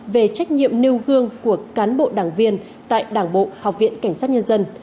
về trách nhiệm nêu gương của cán bộ đảng viên tại đảng bộ học viện cảnh sát nhân dân